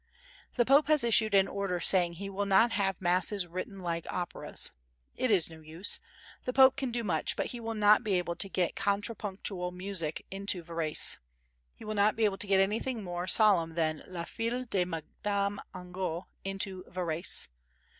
The Pope has issued an order saying he will not have masses written like operas. It is no use. The Pope can do much, but he will not be able to get contrapuntal music into Varese. He will not be able to get anything more solemn than La Fille de Madame Angot into Varese.